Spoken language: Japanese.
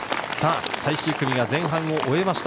最終組が前半を終えました。